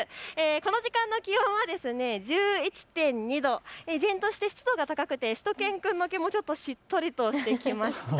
この時間の気温は１１．２度、依然として湿度が高くてしゅと犬くんの毛もちょっとしっとりとしてきました。